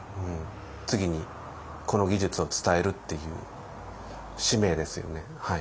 次にこの技術を伝えるっていう使命ですよね。